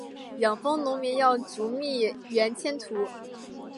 养蜂农民要逐蜜源迁徙